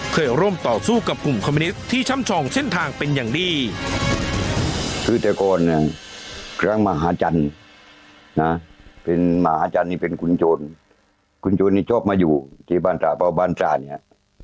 เคยร่วมต่อสู้กับกลุ่มคอมมินิสที่ช่ำชองเส้นทางเป็นอย่างดี